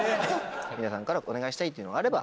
皆さんからお願いしたいというのがあれば。